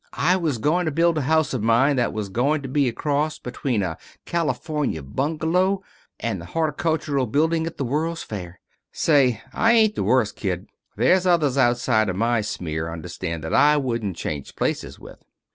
I was goin' to build a house on mine that was goin' to be a cross between a California bungalow and the Horticultural Building at the World's Fair. Say, I ain't the worst, kid. There's others outside of my smear, understand, that I wouldn't change places with."